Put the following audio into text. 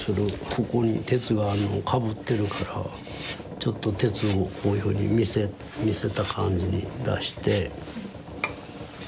ここに鉄がかぶってるからちょっと鉄をこういうふうに見せた感じに出して。